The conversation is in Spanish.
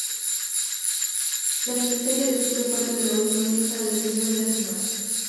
La miniserie describe parte de la última fiesta que el Sr. y la Sra.